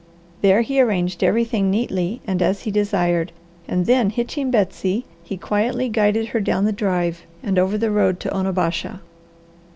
There he arranged everything neatly and as he desired, and then hitching Betsy he quietly guided her down the drive and over the road to Onabasha.